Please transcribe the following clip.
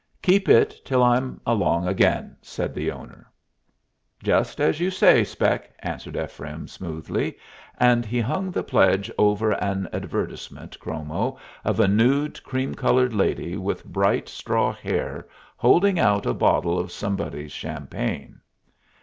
"Keep it till I'm along again," said the owner. "Just as you say, Spec," answered Ephraim, smoothly, and he hung the pledge over an advertisement chromo of a nude cream colored lady with bright straw hair holding out a bottle of somebody's champagne.